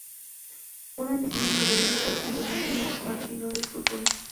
Una lesión en la rodilla prácticamente lo marginó del fútbol.